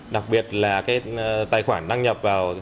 đặc biệt là tài khoản đăng nhập vào